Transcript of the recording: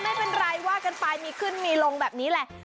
ไม่เป็นไรว่ากันไปมีขึ้นมีลงแบบนี้แหละ